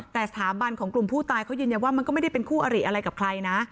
แต่สถาบันของกลุ่มผู้ตายเขายืนยันว่ามันก็ไม่ได้เป็นคู่อริอะไรกับใครนะ